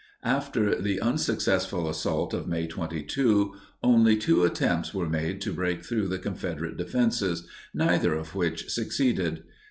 After the unsuccessful assault of May 22, only two attempts were made to break through the Confederate defenses, neither of which succeeded.